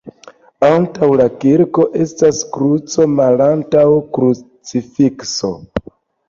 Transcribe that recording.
Antaŭ la kirko estas kruco malantaŭ krucifikso.